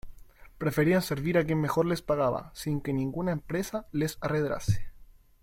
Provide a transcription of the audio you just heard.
preferían servir a quien mejor les pagaba, sin que ninguna empresa les arredrase: